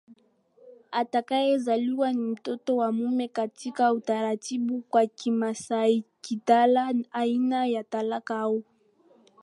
atakayezaliwa ni mtoto wa mume katika utaratibu wa KimasaiKitala aina ya talaka au